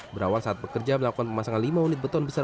berawal saat pekerja melakukan pemasangan lima unit beton besar